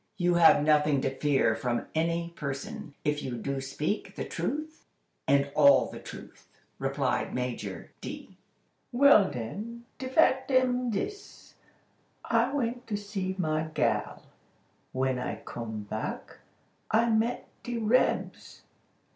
"You have nothing to fear from any person, if you do speak the truth, and all the truth," replied Major D. "Well den, de fact am dis. I went to see my gal. When I cum back, I met de rebs.